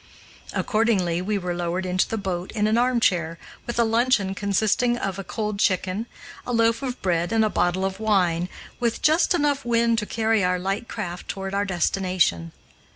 Accordingly we were lowered into the boat in an armchair, with a luncheon consisting of a cold chicken, a loaf of bread, and a bottle of wine, with just enough wind to carry our light craft toward our destination.